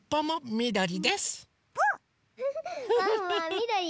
みどり。